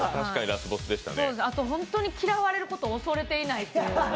あと本当に嫌われることを恐れていないという。